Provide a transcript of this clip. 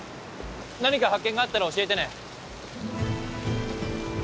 何か発見があったら教えてね！